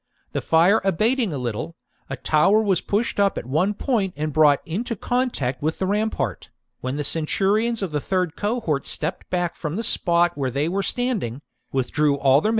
The fire abating a little, a tower was pushed up at one point and brought into contact with the rampart, when the centurions of the 3rd cohort stepped back from the spot where they were standing, withdrew all their men, 1 I accept the MS.